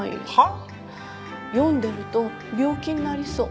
読んでると病気になりそう。